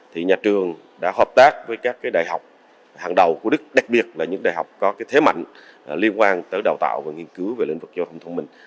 thì nhà trường đã hợp tác với các cái đại học hàng đầu của đức đặc biệt là những đại học có cái thế mạnh liên quan tới đào tạo và nghiên cứu về lĩnh vực giao thông thông minh